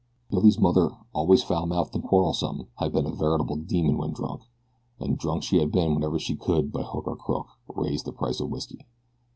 Billy's mother, always foul mouthed and quarrelsome, had been a veritable demon when drunk, and drunk she had been whenever she could, by hook or crook, raise the price of whiskey.